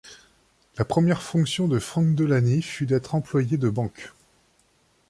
La première fonction de Frank Delaney fut d'être employé de banque.